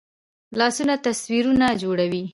لاسونه تصویرونه جوړوي